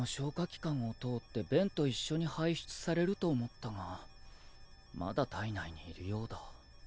器官を通って便と一緒に排出されると思ったがまだ体内にいるようだ。